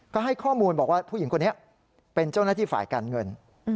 ก็ให้ข้อมูลบอกว่าผู้หญิงคนนี้เป็นเจ้าหน้าที่ฝ่ายการเงิน